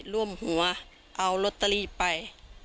ร่วมหัวเอารถเตอรี่ไป